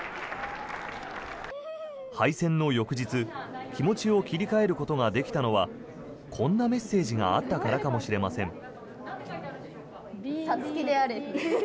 敗戦の翌日、気持ちを切り替えることができたのはこんなメッセージがあったからかもしれません。